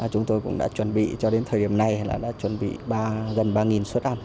chúng tôi cũng đã chuẩn bị cho đến thời điểm này là đã chuẩn bị gần ba suất ăn